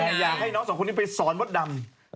แต่อยากให้น้องสองคนนี้ไปสอนมดดำ